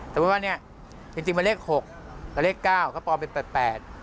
แต่ว่าจริงมันเลข๖กับเลข๙ก็แปลอมเป็น๘๘